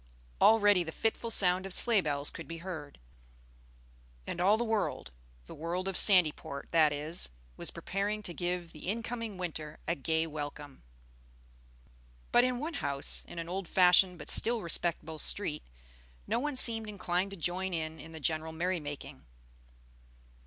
Already the fitful sound of sleigh bells could be heard; and all the world the world of Sandyport that is was preparing to give the in coming winter a gay welcome. But in one house in an old fashioned but still respectable street no one seemed inclined to join in the general merry making.